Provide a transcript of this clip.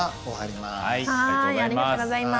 ありがとうございます。